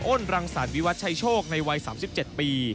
้นรังสรรวิวัตชัยโชคในวัย๓๗ปี